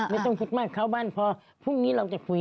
ไม่ต้องคิดมากเข้าบ้านพอพรุ่งนี้เราจะคุย